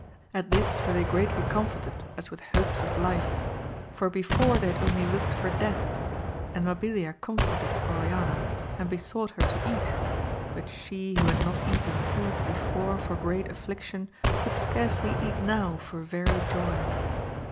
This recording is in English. At this were they greatly comforted as. with hopes of life, for before they had only looked for death, and Mabilia comforted Oriana, and besought her to eat, but she who had not eaten food before for great affliction, could scarcely eat now for very joy.